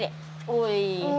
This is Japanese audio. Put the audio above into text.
おい。